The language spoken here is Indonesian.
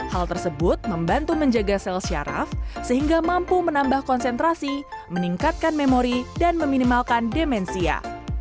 hal tersebut membantu menjaga sel syaraf sehingga mampu menambah konsentrasi meningkatkan memori dan meminimalkan demensia